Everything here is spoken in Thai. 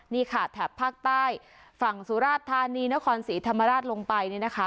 นี่ค่ะแถบภาคใต้ฝั่งสุราชธานีนครศรีธรรมราชลงไปเนี่ยนะคะ